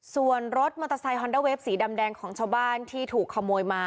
ส่วนรถมอเตอร์ไซคอนเดอร์เฟฟสีดำแดงของชาวบ้านที่ถูกขโมยมา